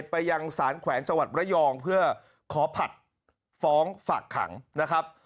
ไปยังสารแขวงจังหวัดระยองเพื่อขอผัดฟ้องฝากขังนะครับ